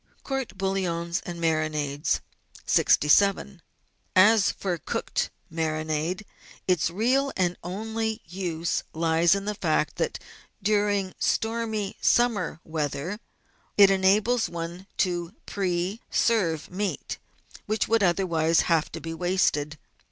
COURT BOUILLONS AND MARINADES 67 As for cooked marinade, its real and only use lies in the fact that during stormy summer weather it enables one to pre. serve meat which would otherwise have to be wasted.